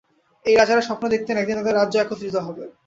এই রাজারা স্বপ্ন দেখতেন একদিন তাদের রাজ্য একত্রিত হবে।